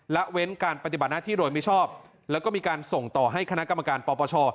เว้นการปฏิบัติหน้าที่โดยมิชอบแล้วก็มีการส่งต่อให้คณะกรรมการปปช